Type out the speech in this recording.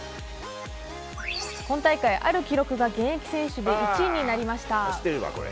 今大会、ある記録が現役選手で１位になりました。